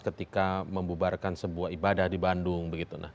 ketika membubarkan sebuah ibadah di bandung